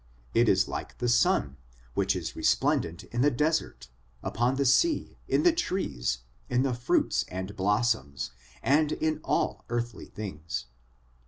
It is like the sun, which is resplendent in the desert, upon the sea, in the trees, in the fruits and blossoms, and in all earthly things.